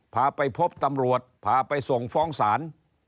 พาไปพบตำรวจพาไปส่งฟ้องศาล